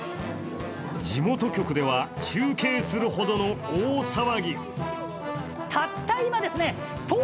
地元局では、中継するほどの大騒ぎ。